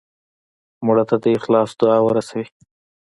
مړه ته د اخلاص دعا ورسوې